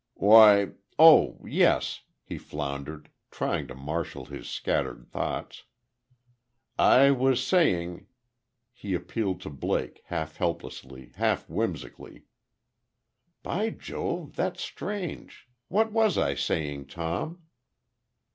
"Why oh, yes," he floundered, trying to marshal his scattered thoughts. "I was saying " He appealed to Blake, half helplessly, half whimsically. "By Jove, that's strange. What was I saying, Tom?"